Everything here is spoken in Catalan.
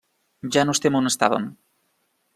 Ja no estem on estàvem.